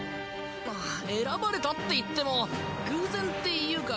選ばれたって言っても偶然っていうか。